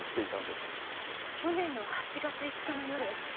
去年の８月５日の夜